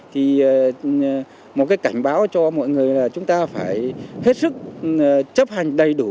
thì một cái cảnh báo cho mọi người là chúng ta phải hết sức chấp hành đầy đủ